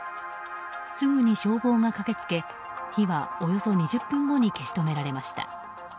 すぐに消防が駆けつけ火はおよそ２０分後に消し止められました。